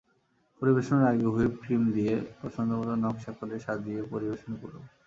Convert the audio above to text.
পরিবেশনের আগে whipped cream দিয়ে পছন্দমতো নকশা করে সাজিয়ে পরিবেশন করুন।